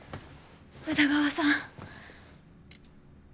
宇田川さん。